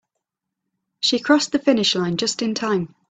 She crossed the finish line just in time.